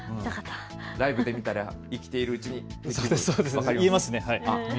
ライブで見たら生きているうちに、分かりますね。